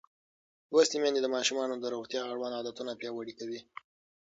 لوستې میندې د ماشومانو د روغتیا اړوند عادتونه پیاوړي کوي.